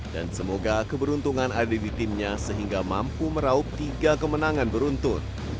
dan semoga keberuntungan ada di timnya sehingga mampu meraup tiga kemenangan beruntut